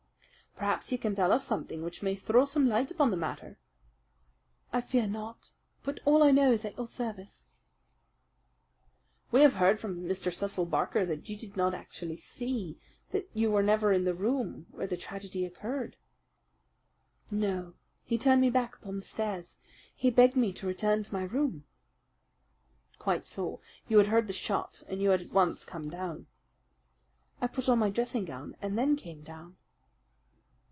"Perhaps you can tell us something which may throw some light upon the matter." "I fear not; but all I know is at your service." "We have heard from Mr. Cecil Barker that you did not actually see that you were never in the room where the tragedy occurred?" "No, he turned me back upon the stairs. He begged me to return to my room." "Quite so. You had heard the shot, and you had at once come down." "I put on my dressing gown and then came down."